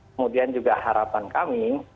kemudian juga harapan kami